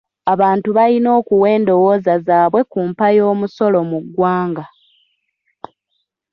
Abantu bayina okuwa endowoza zaabwe ku mpa y'omusolo mu ggwanga.